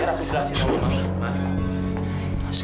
katakanlah iki kuitnya ada aspek ini